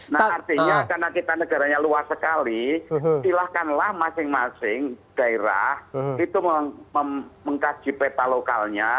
nah artinya karena kita negaranya luas sekali silakanlah masing masing daerah itu mengkaji peta lokalnya